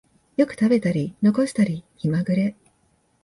よく食べたり残したり気まぐれ